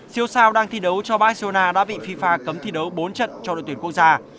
siêu sao đang thi đấu cho barcelona đã bị fifa cấm thi đấu bốn trận cho đội tuyển quốc gia